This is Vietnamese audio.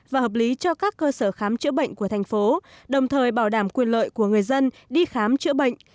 và hợp lý cho các cơ sở khám chữa bệnh của thành phố đồng thời bảo đảm quyền lợi của người dân đi khám chữa bệnh